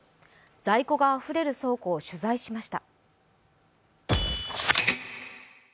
在庫があふれる倉庫を取材しました。